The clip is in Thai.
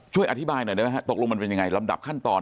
ช่วยอธิบายหน่อยได้ไหมฮะตกลงมันเป็นยังไงลำดับขั้นตอน